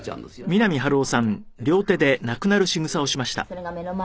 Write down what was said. それが目の前。